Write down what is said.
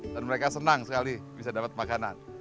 dan mereka senang sekali bisa dapat makanan